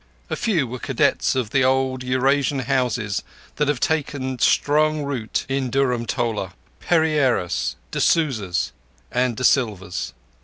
A few were cadets of the old Eurasian houses that have taken strong root in Dhurrumtollah—Pereiras, De Souzas, and D'Silvas.